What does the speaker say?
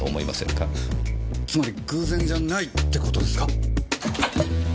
つまり偶然じゃないって事ですか？